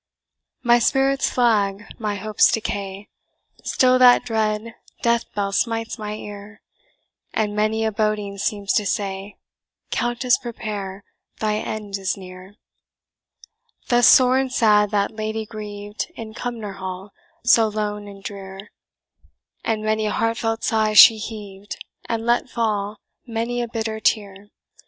"My spirits flag my hopes decay Still that dread death bell smites my ear; And many a boding seems to say, 'Countess, prepare, thy end is near!'" Thus sore and sad that lady grieved, In Cumnor Hall, so lone and drear; And many a heartfelt sigh she heaved, And let fall many a bitter tear.